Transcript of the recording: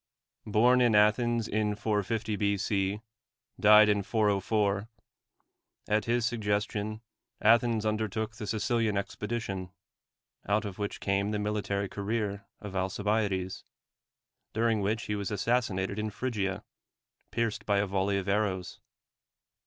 Born in Athens in 450 B.C., died in 404; at his suggestion Athens undertook the Sicilian expedition, out of which came the military career of Alcibiades, during which he was assassinated in Phrygia, pierced by a volley of arrows.